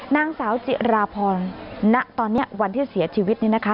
นางสาวจิราพรณตอนนี้วันที่เสียชีวิตเนี่ยนะคะ